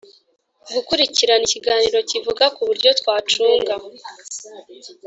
gukurikirana ikiganiro kivuga kuburyo twacunga